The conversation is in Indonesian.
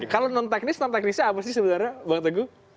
kalau non teknis non teknisnya apa sih sebenarnya bang teguh